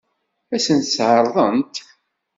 Ad sen-tt-ɛeṛḍent?